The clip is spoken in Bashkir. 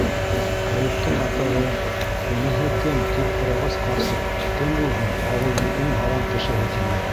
Әйүптең атаһы: «Уныһы кем?» - тип һорағас, ҡарсыҡ: «Кем булһын, ауылдың иң һаран кешеһе!» - тине.